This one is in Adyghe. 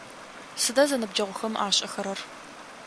Сыда зэныбджэгъухэм ашӏэхэрэр?